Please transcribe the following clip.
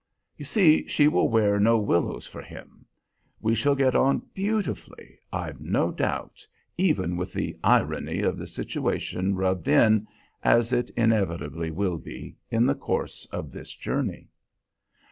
You see, she will wear no willows for him. We shall get on beautifully, I've no doubt, even with the "irony" of the situation rubbed in, as it inevitably will be, in the course of this journey.